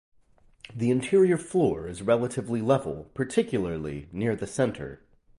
The interior floor is relatively level, particularly near the center.